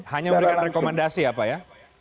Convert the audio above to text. hanya memberikan rekomendasi apa ya